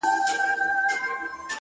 o د خدای د عرش قهر د دواړو جهانونو زهر،